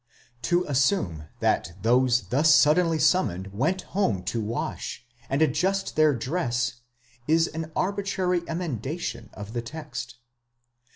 'To assume that those thus suddenly summoned went home to wash, and adjust their dress, is an arbitrary emendation of the text.